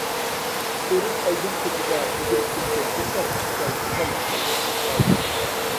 سۆرۈن ئايدىڭ كېچىدە مۈدۈرۈپ كەتكەن تۇلپار ئىنتايىن ئوسال ئەھۋالغا چۈشۈپ قالدى.